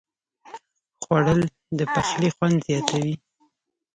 خوړل د پخلي خوند زیاتوي